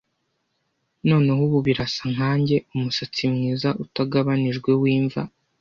Noneho ubu birasa nkanjye umusatsi mwiza utagabanijwe wimva.